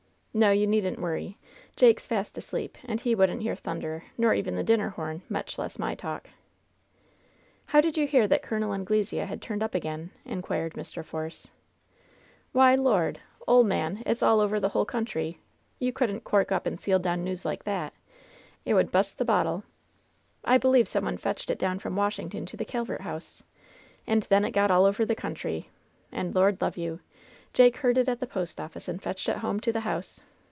No, you needn't worry. Jake's fast asleep, and he wouldn't hear thunder, nor even the din ner horn, much less my talk !" "How did you hear that Col. Anglesea had turned up again ?" inquired Mr. Force. "Why, Lord ! ole man, it's all over the whole country. You couldn't cork up and seal down news like that 1 It would bu'st the bottle! I believe some one fetched it down from Washington to the Calvert House, and then it got all over the country; and Lord love you, Jake heard it at the post office and fetched it home to the house.